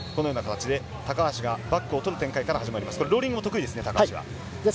高橋がバックを取る展開から始まります。